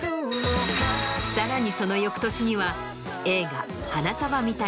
さらにその翌年には映画。